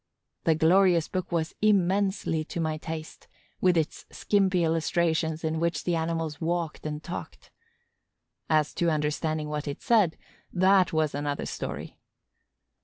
The glorious book was immensely to my taste, with its skimpy illustrations in which the animals walked and talked. As to understanding what it said, that was another story!